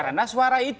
karena suara itu